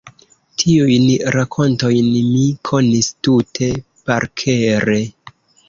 Tiujn rakontojn mi konis tute parkere.